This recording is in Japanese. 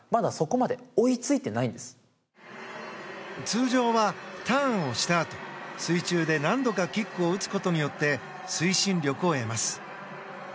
通常はターンをしたあと水中で何度かキックを打つことによって推進力を得ます。